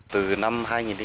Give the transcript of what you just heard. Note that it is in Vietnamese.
từ năm hai nghìn ba